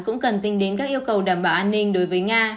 cũng cần tính đến các yêu cầu đảm bảo an ninh đối với nga